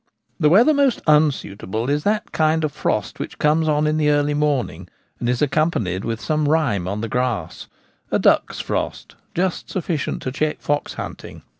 The weather most unsuitable is that kind of frost which comes on in the early morning, and is accom panied with some rime on the grass — a duck's frost, just sufficient to check fox hunting.